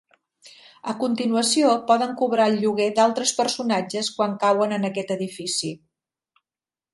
A continuació, poden cobrar el lloguer d'altres personatges quan cauen en aquest edifici.